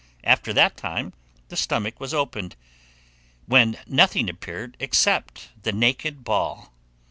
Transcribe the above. After that time the stomach was opened, when nothing appeared except the naked ball.